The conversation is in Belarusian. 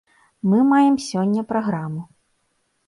Мы маем сёння праграму.